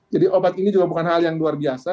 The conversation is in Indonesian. jadi obat ini juga bukan hal yang luar biasa